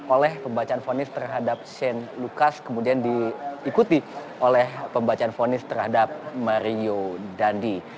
oleh pembacaan fonis terhadap shane lucas kemudian diikuti oleh pembacaan fonis terhadap mario dandi